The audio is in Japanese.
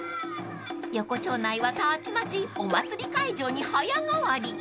［横町内はたちまちお祭り会場に早変わり］